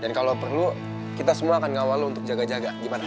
dan kalau perlu kita semua akan ngawal lo untuk jaga jaga gimana